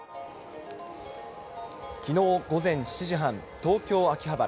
きのう午前７時半、東京・秋葉原。